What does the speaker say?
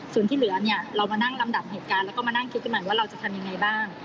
ส่วนที่เหลือเนี่ยเรามานั่งลำดับเหตุการณ์แล้วก็มานั่งคิดกันใหม่ว่าเราจะทำยังไงบ้าง